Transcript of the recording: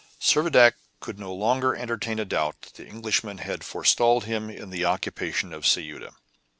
Servadac could no longer entertain a doubt that the Englishmen had forestalled him in the occupation of Ceuta.